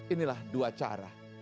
inilah dua cara